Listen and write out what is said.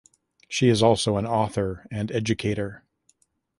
She is also an author and educator.